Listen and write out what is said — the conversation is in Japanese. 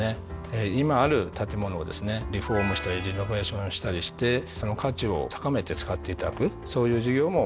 今ある建物をですねリフォームしたりリノベーションしたりしてその価値を高めて使っていただくそういう事業も伸ばしております。